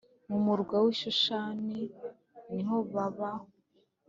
mu murwa w i Shushani niho baba